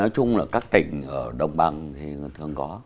nói chung là các tỉnh ở đồng bằng thì thường có